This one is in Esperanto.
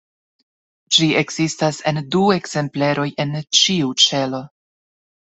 Ĝi ekzistas en du ekzempleroj en ĉiu ĉelo.